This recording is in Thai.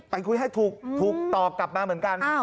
ไปคุยให้ถูกตอบกลับมาเหมือนกัน